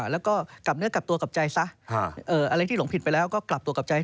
และคุณก็อาจจะต้องติดคุกด้วย